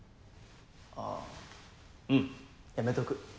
あぁうんやめとく。